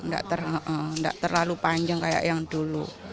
tidak terlalu panjang kayak yang dulu